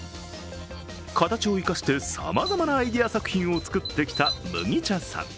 形を生かしてさまざまなアイデア作品を作ってきた麦茶さん。